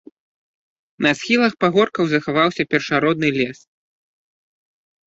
На схілах пагоркаў захаваўся першародны лес.